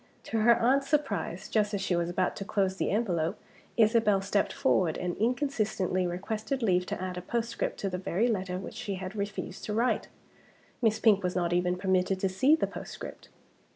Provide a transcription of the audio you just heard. To her aunt's surprise, just as she was about to close the envelope Isabel stepped forward, and inconsistently requested leave to add a postscript to the very letter which she had refused to write! Miss Pink was not even permitted to see the postscript.